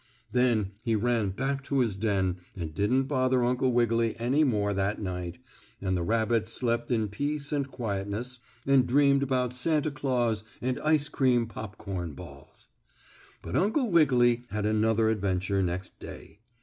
Then he ran back to his den and didn't bother Uncle Wiggily any more that night, and the rabbit slept in peace and quietness, and dreamed about Santa Claus and ice cream popcorn balls. But Uncle Wiggily had another adventure next day.